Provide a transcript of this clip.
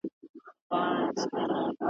هر ماښام به وو ستومان کورته راغلی ,